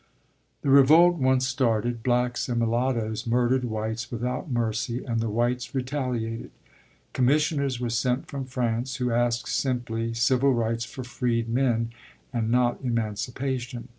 The revolt once started, blacks and mulattoes murdered whites without mercy and the whites retaliated. Commissioners were sent from France, who asked simply civil rights for freedmen, and not emancipation.